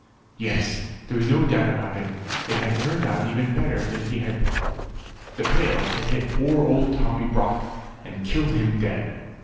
Yes there was no doubt about it it had turned out even better than he had planned; the pail had hit poor old Tommy Brock, and killed him dead!